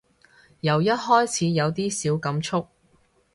由一開始有啲小感觸